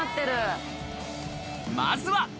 まずは。